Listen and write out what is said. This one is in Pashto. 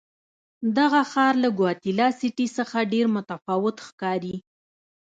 دغه ښار له ګواتیلا سیټي څخه ډېر متفاوت ښکاري.